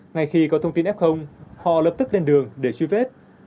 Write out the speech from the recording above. ngay khi có thông tin f họ lập tức lên đường để truy vết